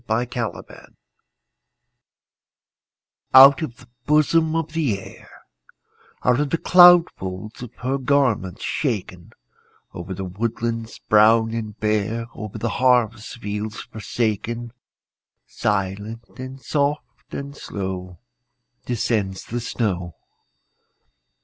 SNOW FLAKES Out of the bosom of the Air, Out of the cloud folds of her garments shaken, Over the woodlands brown and bare, Over the harvest fields forsaken, Silent, and soft, and slow Descends the snow.